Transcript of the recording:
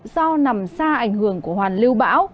do nằm xa ảnh hưởng của hoàn lưu bão